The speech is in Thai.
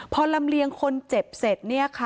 พอลำเลียงคนเจ็บเสร็จ